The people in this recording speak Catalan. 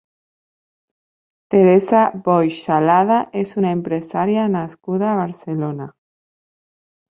Teresa Boix Salada és una empresària nascuda a Barcelona.